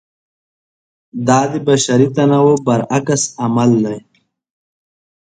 دا د بشري تنوع برعکس عمل دی.